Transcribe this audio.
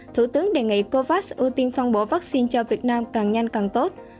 thủ tướng đề nghị covax ưu tiên phân bổ vaccine cho việt nam càng nhanh càng tốt